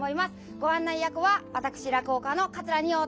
ご案内役は私落語家の桂二葉と。